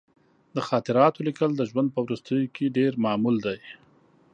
د خاطراتو لیکل د ژوند په وروستیو کې ډېر معمول دي.